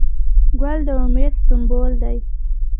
ګل د امید سمبول دی.